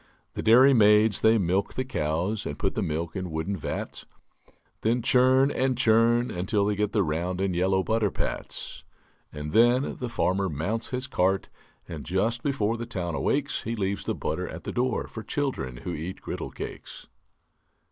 The dairy maids they milk the cows And put the milk in wooden vats; Then churn and churn until they get The round and yellow butter pats. And then the farmer mounts his cart, And just before the town awakes He leaves the butter at the door For children who eat griddle cakes.